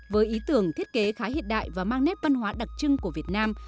với ý tưởng thiết kế khá hiện đại và mang nét văn hóa đặc trưng của việt nam